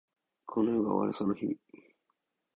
この世が終わるその日に